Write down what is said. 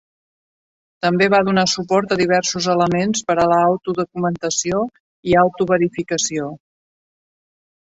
També va donar suport a diversos elements per a l'autodocumentació i autoverificació.